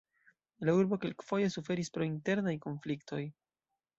La urbo kelkfoje suferis pro internaj konfliktoj.